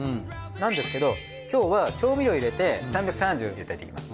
なんですけど今日は調味料入れて３３０で炊いていきます。